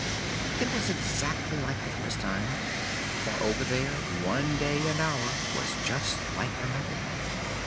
it was exactly like the first time, for over there one day and hour was just like another.